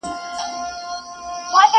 نه په طبیب سي نه په دعا سي!!